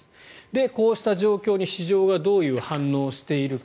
こうした状況に市場はどういう反応をしているか。